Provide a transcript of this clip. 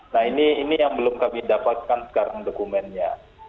nah ini yang belum kami dapatkan sekarang dokumennya